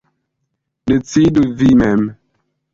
Decidu vi mem.